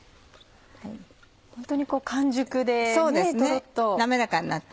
ホントに完熟でトロっと。